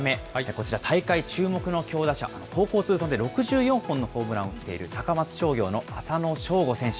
こちら大会注目の強打者、高校通算で６４本のホームランを打っている高松商業の浅野翔吾選手。